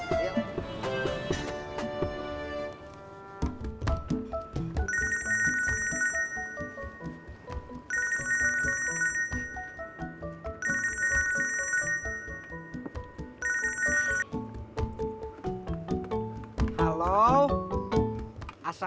iya pak saya tunggu kabarnya ya